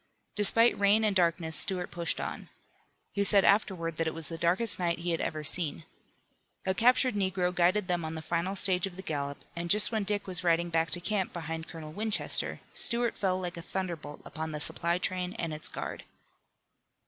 Despite rain and darkness Stuart pushed on. He said afterward that it was the darkest night he had ever seen. A captured negro guided them on the final stage of the gallop and just when Dick was riding back to camp behind Colonel Winchester, Stuart fell like a thunderbolt upon the supply train and its guard.